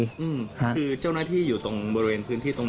คือเจ้าหน้าที่อยู่ตรงบริเวณพื้นที่ตรงนี้